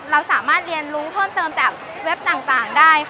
เราสามารถเรียนรู้เพิ่มเติมจากเว็บต่างได้ค่ะ